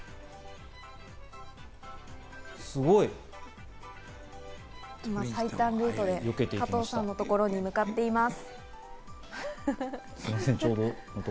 すごい！最短ルートで加藤さんのところに向かっていきます。